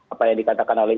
apa yang dikatakan oleh